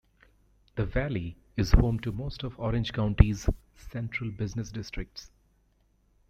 The valley is home to most of Orange County's central business districts.